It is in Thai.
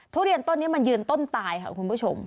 ทุเรียนต้นนี้มันยืนต้นตายค่ะคุณผู้ชม